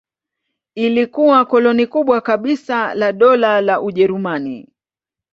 Ilikuwa koloni kubwa kabisa la Dola la Ujerumani.